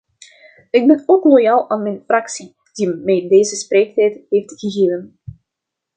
Ik ben ook loyaal aan mijn fractie, die mij deze spreektijd heeft gegeven.